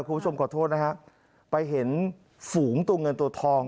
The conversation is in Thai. คุณผู้ชมขอโทษนะฮะไปเห็นฝูงตัวเงินตัวทอง